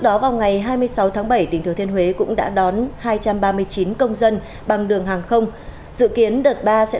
đó vào ngày hai mươi sáu tháng bảy tp hcm cũng đã đón hai trăm ba mươi chín công dân bằng đường hàng không dự kiến đợt ba sẽ